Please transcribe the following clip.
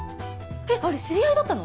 あれ知り合いだったの？